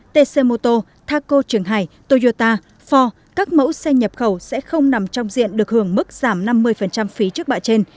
tcmoto taco trường hải toyota ford các mẫu xe nhập khẩu sẽ không nằm trong diện được hưởng mức giảm năm mươi phí trước bạ trên